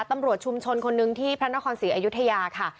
ตำรวจชุมชนคนนึงที่พระนครศรีอยุธยาค่ะ